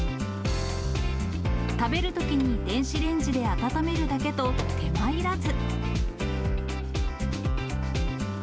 食べるときに電子レンジで温めるだけと、手間いらず。